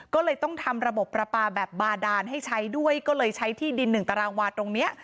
ก็เลยต้องทำระบบประปาแบบบาดานให้ใช้ด้วยก็เลยใช้ที่ดิน๑ตารางวาตรงนี้